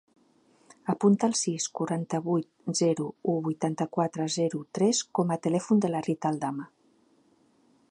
Apunta el sis, quaranta-vuit, zero, u, vuitanta-quatre, zero, tres com a telèfon de la Rita Aldama.